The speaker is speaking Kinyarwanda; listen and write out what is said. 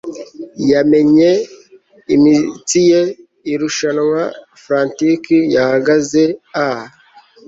yamenye imitsi ye. irushanwa. frantic. yahagaze a